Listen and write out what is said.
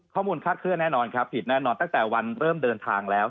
ค่าเคลื่อแน่นอนครับผิดแน่นอนตั้งแต่วันเริ่มเดินทางแล้ว